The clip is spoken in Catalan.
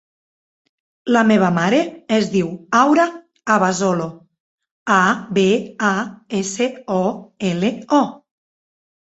La meva mare es diu Aura Abasolo: a, be, a, essa, o, ela, o.